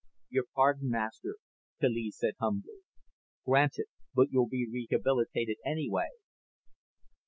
"Your pardon, Master," Kaliz said humbly. "Granted. But you'll be rehabilitated anyway."